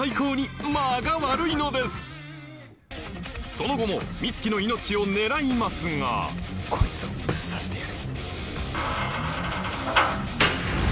そう柊はその後も美月の命を狙いますがこいつをぶっ刺してやる